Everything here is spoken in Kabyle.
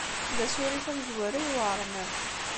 D asurif amezwaru ay iweɛṛen akk.